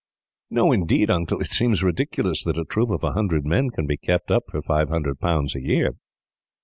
"No, indeed, Uncle! It seems ridiculous that a troop of a hundred men can be kept up, for five hundred pounds a year."